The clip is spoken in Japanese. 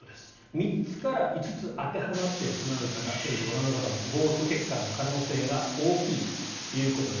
３つから５つ当てはまってしまう方テレビをご覧の方もゴースト血管の可能性が大きいということです。